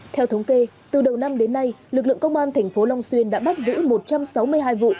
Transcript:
theo thống kê từ đầu năm đến nay lực lượng công an tp long xuyên đã bắt giữ một trăm sáu mươi hai vụ